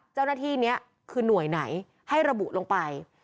เจ้าหน้าที่นี้คือหน่วยไหนให้ระบุลงไป